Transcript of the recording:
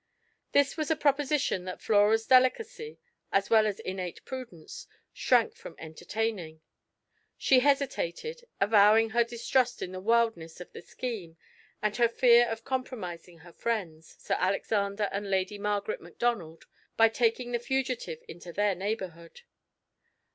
This was a proposition that Flora's delicacy, as well as innate prudence, shrank from entertaining. She hesitated, avowing her distrust in the wildness of the scheme, and her fear of compromising her friends, Sir Alexander and Lady Margaret Macdonald, by taking the fugitive into their neighbourhood.